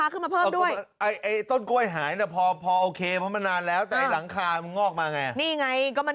ไอต้นกล้วยหายนะพอพอโอเคมันนานแล้วแต่หลังคาเหงามาไงนี่ไงก็มัน